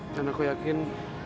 dan aku yakin